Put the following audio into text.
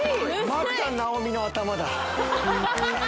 また直美の頭だ。